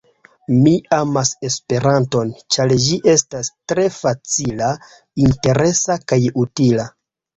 Mi amas Esperanton, ĉar ĝi estas tre facila, interesa kaj utila.